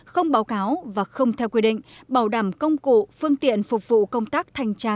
không báo cáo và không theo quy định bảo đảm công cụ phương tiện phục vụ công tác thanh tra